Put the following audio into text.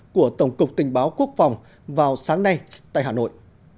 của tổng cục tình báo quốc phòng vào sáng nay tại hà nội